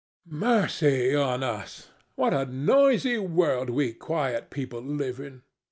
Mercy on us! What a noisy world we quiet people live in!